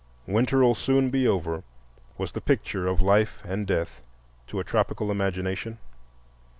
"Winter'll soon be over," was the picture of life and death to a tropical imagination.